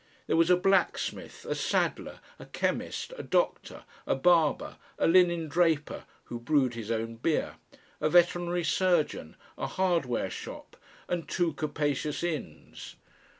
There was a blacksmith, a saddler, a chemist, a doctor, a barber, a linen draper (who brewed his own beer); a veterinary surgeon, a hardware shop, and two capacious inns.